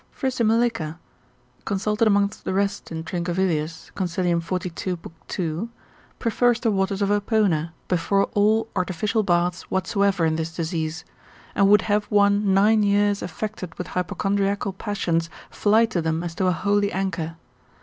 Frisimelica, consulted amongst the rest in Trincavelius, consil. 42. lib. 2. prefers the waters of Apona before all artificial baths whatsoever in this disease, and would have one nine years affected with hypochondriacal passions fly to them as to a holy anchor.